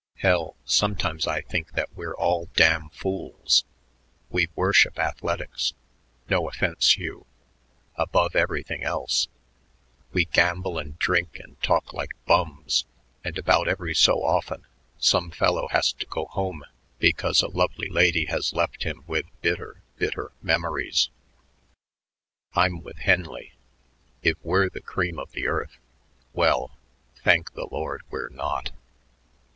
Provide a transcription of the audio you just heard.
Hell, sometimes I think that we're all damn fools. We worship athletics no offense, Hugh above everything else; we gamble and drink and talk like bums; and about every so often some fellow has to go home because a lovely lady has left him with bitter, bitter memories. I'm with Henley. If we're the cream of the earth well, thank the Lord, we're not."